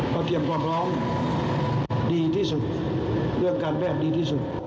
เขาเตรียมความพร้อมดีที่สุดเรื่องการแพทย์ดีที่สุด